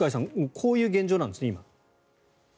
こういう現状なんですね。